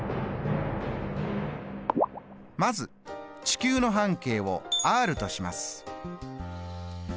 まず地球の半径を「ｒ」とします。